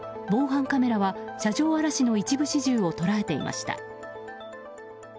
防犯カメラは車上荒らしの一部始終を捉えていました。